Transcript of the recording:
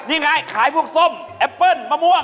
นี่ไงขายพวกส้มแอปเปิ้ลมะม่วง